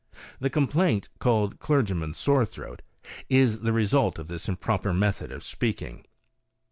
The complaint called clergy man's sore throat is the result of this improper method of speak ing.